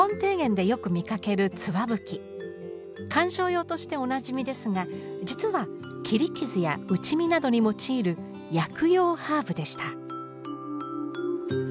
観賞用としておなじみですが実は切り傷や打ち身などに用いる薬用ハーブでした。